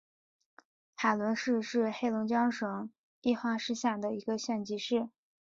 海伦市是黑龙江省绥化市下辖的一个县级市。